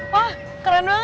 wah keren banget ya